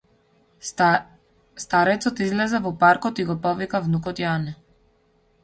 Старецот излезе во паркот и го повика внукот Јане.